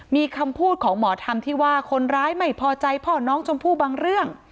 มีคำพูดของหมอธรรมที่ว่าคนร้ายไม่พอใจพ่อน้องชมพู่บางเรื่อง